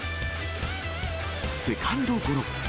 セカンドゴロ。